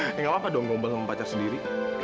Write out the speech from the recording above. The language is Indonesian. eh nggak apa apa dong gomba sama pacar sendiri